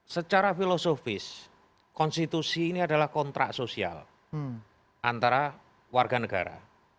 secara filosofis konstitusi ini adalah kontrak sosial antara warga negara